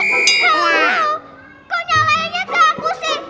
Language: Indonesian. kau nyalainnya ke aku sih